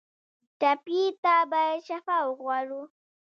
ټپي ته باید شفا وغواړو.